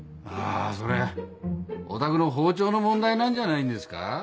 あそれおたくの包丁の問題なんじゃないんですか？